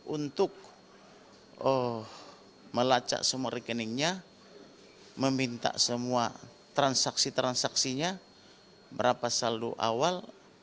untuk melacak semua rekeningnya meminta semua transaksi transaksinya merapat saldo awal